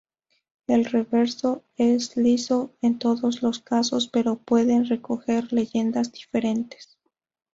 El reverso es liso en todos los casos pero puede recoger leyendas diferentes.